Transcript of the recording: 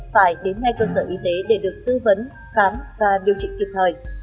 phải đến ngay cơ sở y tế để được tư vấn khám và điều trị kịp thời